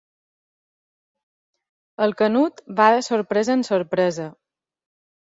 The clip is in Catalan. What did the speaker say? El Canut va de sorpresa en sorpresa.